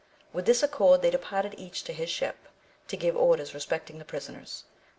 With this accord they departed each to his ship, to give orders respecting the prisoners.